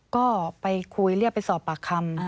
ก็ไปคุยเรียกไปสอบปากคำ